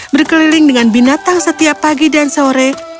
berkeliling dengan binatang setiap pagi dan sore